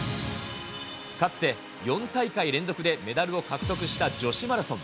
かつて、４大会連続でメダルを獲得した女子マラソン。